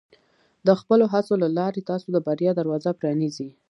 د خپلو هڅو له لارې، تاسو د بریا دروازه پرانیزئ.